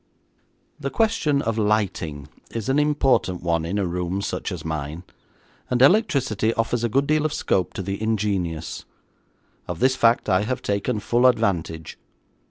The question of lighting is an important one in a room such as mine, and electricity offers a good deal of scope to the ingenious. Of this fact I have taken full advantage.